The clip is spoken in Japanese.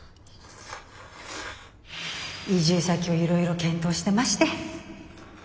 移住先をいろいろ検討してまして。